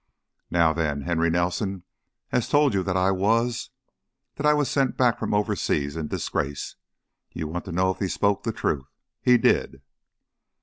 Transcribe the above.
Now then, Henry Nelson has told you that I was that I was sent back from overseas in disgrace. You want to know if he spoke the truth. He did!"